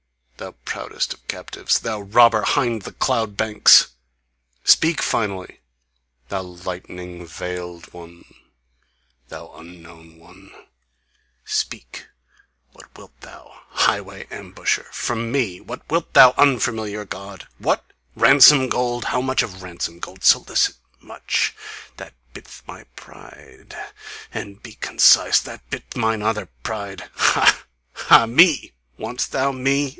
Thy proudest of captives, Thou robber 'hind the cloud banks... Speak finally! Thou lightning veiled one! Thou unknown one! Speak! What wilt thou, highway ambusher, from ME? What WILT thou, unfamiliar God? What? Ransom gold? How much of ransom gold? Solicit much that bid'th my pride! And be concise that bid'th mine other pride! Ha! Ha! ME wantst thou? me?